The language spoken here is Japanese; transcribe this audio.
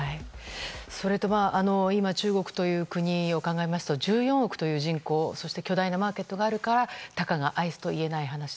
それと、今中国という国を考えますと１４億という人口、そして巨大なマーケットがあるからたかがアイスといえない話。